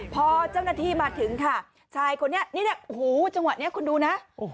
พอเจ้าหน้าที่มาถึงค่ะชายคนนี้นี่เนี่ยโอ้โหจังหวะนี้คุณดูนะ